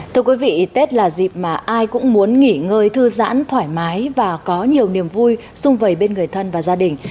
thưa quý vị tết là dịp mà ai cũng muốn nghỉ ngơi thư giãn thoải mái và có nhiều niềm vui xung vầy bên người thân và gia đình